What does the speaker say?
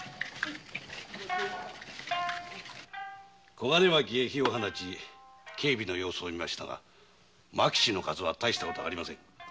小金牧に火を放ち警備の様子を見ましたが牧士の数は大したことはありません。